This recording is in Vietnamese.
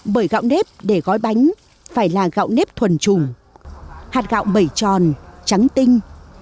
bởi gạo nếp để gói bánh phải là gạo nếp thuần trùng hạt gạo bẩy tròn trắng tinh